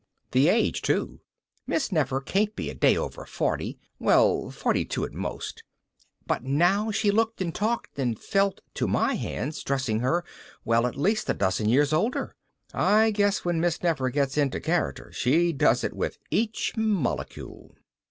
The age too. Miss Nefer can't be a day over forty well, forty two at most but now she looked and talked and felt to my hands dressing her, well, at least a dozen years older. I guess when Miss Nefer gets into character she does it with each molecule.